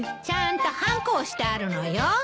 ちゃんとはんこ押してあるのよ。